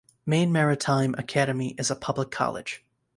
Maine Maritime Academy is a public college.